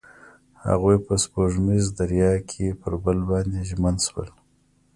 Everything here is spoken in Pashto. هغوی په سپوږمیز دریا کې پر بل باندې ژمن شول.